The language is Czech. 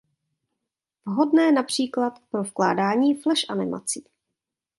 Vhodné například pro vkládání flash animací.